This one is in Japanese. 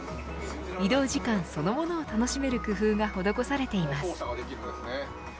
移動時間そのものを楽しめる工夫が施されています。